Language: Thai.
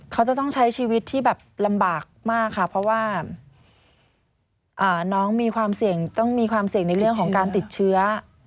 เขาจะต้องใช้ชีวิตที่แบบลำบากมากค่ะเพราะว่าน้องมีความเสี่ยงต้องมีความเสี่ยงในเรื่องของการติดเชื้อ